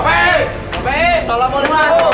bapak i salamualaikum